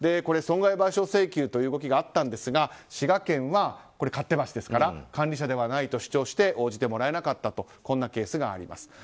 損害賠償請求という動きがあったんですが滋賀県は勝手橋ですから管理者ではないと主張して応じてもらえなかったというケースがあります。